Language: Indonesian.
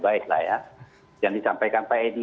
baik lah ya yang disampaikan pak edi